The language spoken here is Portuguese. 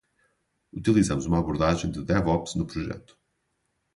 Utilizamos uma abordagem de DevOps no projeto.